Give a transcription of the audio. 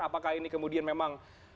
apakah ini kemudian memang